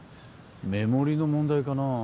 メモリの問題かな？